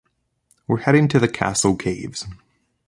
We’re heading to the castle caves.